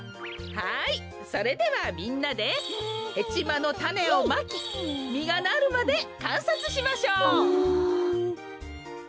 はいそれではみんなでヘチマのたねをまきみがなるまでかんさつしましょう！